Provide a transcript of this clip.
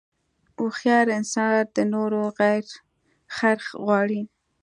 هوښیار انسان د نورو خیر غواړي.